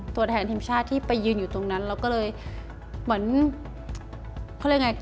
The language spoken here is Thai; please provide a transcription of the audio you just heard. ตัวแทนทีมชาติที่ไปยืนอยู่ตรงนั้นเราก็เลยเหมือนเขาเรียกไง